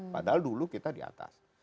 padahal dulu kita di atas